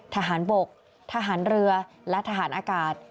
ทหารบกทหารเรือและทหารอากาศ